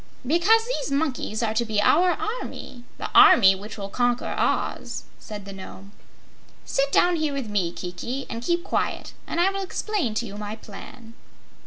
"Because those monkeys are to be our army the army which will conquer Oz," said the Nome. "Sit down here with me, Kiki, and keep quiet, and I will explain to you my plan."